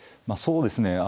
まあそうですね